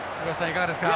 いかがですか？